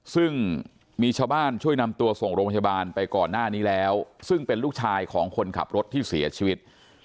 ซึ่งมีชาวบ้านช่วยนำตัวส่งโรงพยาบาลไปก่อนหน้านี้แล้วซึ่งเป็นลูกชายของคนขับรถที่เสียชีวิต